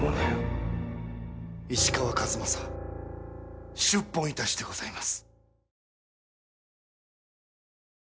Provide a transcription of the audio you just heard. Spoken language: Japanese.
石川数正出奔いたしてございます。